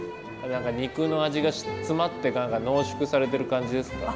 何か肉の味が詰まって何か濃縮されてる感じですか？